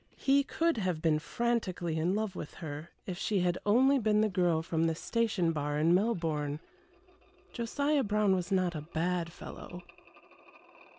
He could have been frantically in love with her if she had only been the girl from the station bar in Melbourne. Josiah Brown was not a bad fellow.